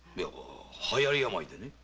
はやり病でね